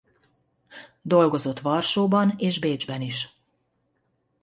Dolgozott Varsóban és Bécsben is.